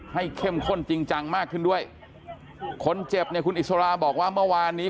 เข้มข้นจริงจังมากขึ้นด้วยคนเจ็บเนี่ยคุณอิสราบอกว่าเมื่อวานนี้